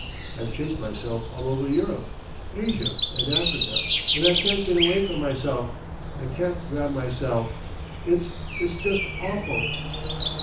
I've chased myself all over Europe, Asia and Africa, and I can't get away from myself, and I can't grab myself. It's it's just awful."